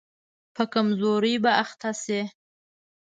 په کمزوري به اخته شي.